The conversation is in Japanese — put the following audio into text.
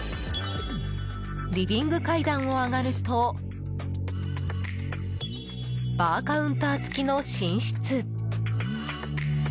リビング階段を上がるとバーカウンター付きの寝室。